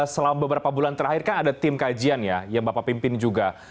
selama beberapa bulan terakhir kan ada tim kajian ya yang bapak pimpin juga